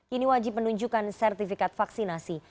ini wajib menunjukkan sertifikat vaksinasi